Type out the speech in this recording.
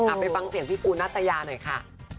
ไปฟังเสียงพี่ปูนัตยาหน่อยค่ะ